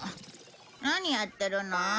何やってるの？